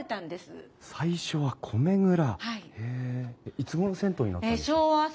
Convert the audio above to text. いつごろ銭湯になったんですか？